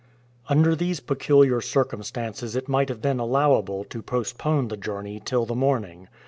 Under these peculiar circumstances it might have been allowable to postpone the journey till the morning.